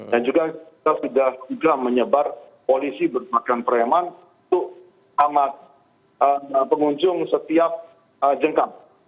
dan juga kita sudah menyebar polisi berpakaian pereman untuk pengunjung setiap jengkam